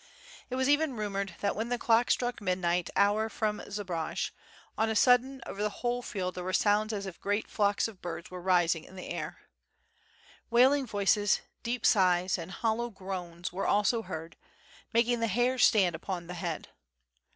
It was even rumored that when the clock struck the midnight hour from Zbaraj, on a sudden over the whole field there were sounds as if great flocks of birds were rising in the air. Wailing voices, deep sighs, and hollow groans were ako heard, making the hair stand up on the head.